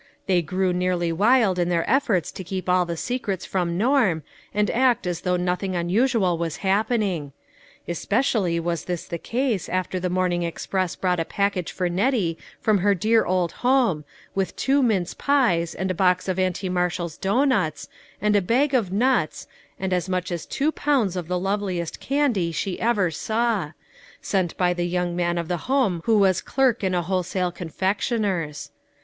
They grew nearly wild in their efforts to keep all the secrets from Norm, and act as though nothing unusual was i O O happening. Especially was this the case after the morning express brought a package for Net tie from her dear old home, with two mince pies, and a box of Auntie Marshall's doughnuts, and a bag of nuts, and as much as two pounds of the loveliest candy she ever saw ; sent by the young man of the home who was clerk in a whole THE CROWNING WONDEB. 405 sale confectioner's.